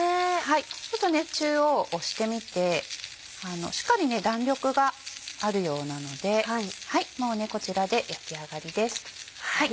ちょっと中央を押してみてしっかり弾力があるようなのでもうこちらで焼き上がりです。